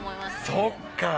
そっか。